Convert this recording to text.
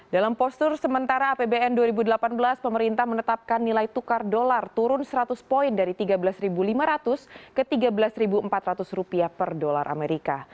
dalam postur sementara apbn dua ribu delapan belas pemerintah menetapkan nilai tukar dolar turun seratus poin dari rp tiga belas lima ratus ke tiga belas empat ratus rupiah per dolar amerika